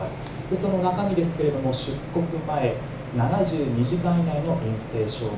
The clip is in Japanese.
その中身ですが出国前７２時間以内の陰性証明。